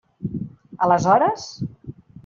Aleshores?